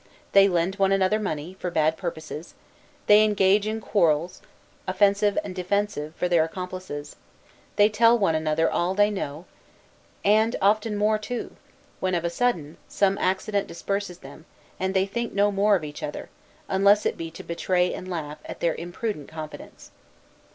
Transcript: They lend one another money, for bad purposes; they engage in quarrels, offensive and defensive for their accomplices; they tell one another all they know, and often more too, when, of a sudden, some accident disperses them, and they think no more of each other, unless it be to betray and laugh, at their imprudent confidence.